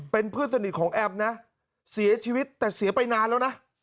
เป็นเพื่อนสนิทของแอมนะเสียชีวิตแต่เสียไปนานแล้วนะ